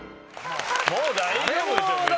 もう大丈夫でしょ。